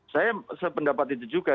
saya sependapat itu juga